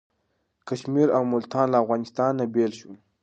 کشمیر او ملتان له افغانستان نه بیل شول.